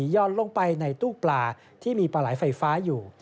ลงไปในตู้ปลาที่มีปลาไหลไฟฟ้าอยู่